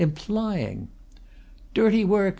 "Implying!" "Dirty work!"